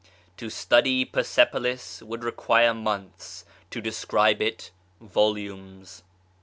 To study Persepolis would require months ; to describe it, volumes.